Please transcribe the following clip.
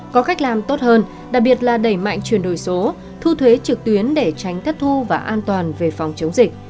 có cách làm tốt hơn đặc biệt là đẩy mạnh chuyển đổi số thu thuế trực tuyến để tránh thất thu và an toàn về phòng chống dịch